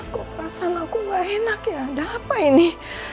kok perasan aku gak enak ya ada apa ini